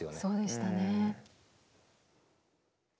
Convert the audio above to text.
そうでしたね。